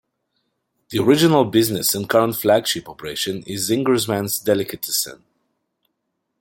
The original business and current flagship operation is Zingerman's Delicatessen.